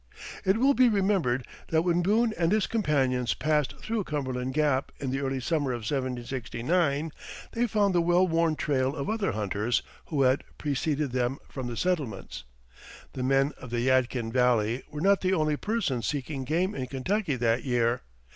It will be remembered that when Boone and his companions passed through Cumberland Gap in the early summer of 1769, they found the well worn trail of other hunters who had preceded them from the settlements. The men of the Yadkin Valley were not the only persons seeking game in Kentucky that year.